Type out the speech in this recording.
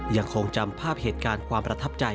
ยังคงจำภาพเหตุการณ์ความประทับใจ